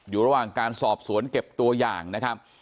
อยู่ระหว่างการสอบสวนเก็บตัวอย่างนะครับ